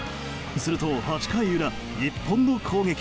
すると８回裏、日本の攻撃。